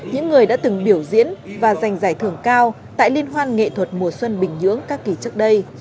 những người đã từng biểu diễn và giành giải thưởng cao tại liên hoan nghệ thuật mùa xuân bình nhưỡng các kỳ trước đây